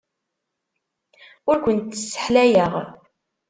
Ur kent-sseḥlayeɣ.